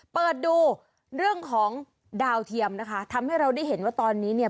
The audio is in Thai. เปิดดูเรื่องของดาวเทียมนะคะทำให้เราได้เห็นว่าตอนนี้เนี่ย